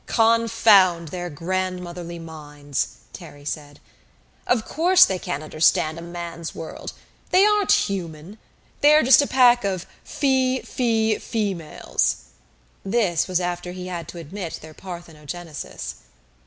"Confound their grandmotherly minds!" Terry said. "Of course they can't understand a Man's World! They aren't human they're just a pack of Fe Fe Females!" This was after he had to admit their parthenogenesis.